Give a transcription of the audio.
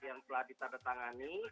yang telah ditandatangani